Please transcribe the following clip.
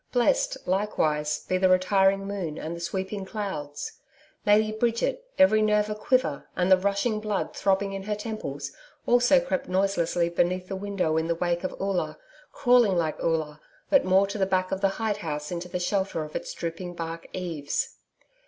Blessed, likewise, be the retiring moon and the sweeping clouds! Lady Bridget, every nerve a quiver and the rushing blood throbbing in her temples, also crept noiselessly beneath the window in the wake of Oola, crawling like Oola, but more to the back of the hide house into the shelter of its drooping bark eaves.